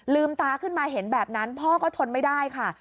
ตาขึ้นมาเห็นแบบนั้นพ่อก็ทนไม่ได้ค่ะ